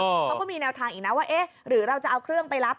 เขาก็มีแนวทางอีกนะว่าเอ๊ะหรือเราจะเอาเครื่องไปรับ